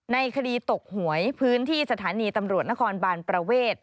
ในคดีตกหวยพื้นที่สถานีตำรวจนครบานประเวท